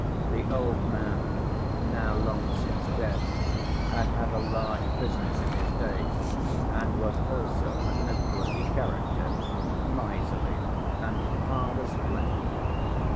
The old man, now long since dead, had had a large business in his day and was also a noteworthy character, miserly and hard as flint.